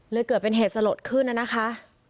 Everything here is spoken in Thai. เกิดเป็นเหตุสลดขึ้นนะคะ